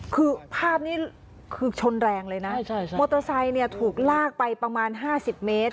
คือภาพนี้คือชนแรงเลยนะมอเตอร์ไซค์เนี่ยถูกลากไปประมาณ๕๐เมตร